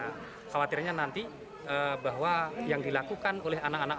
khawatirnya nanti bahwa yang dilakukan oleh anak anak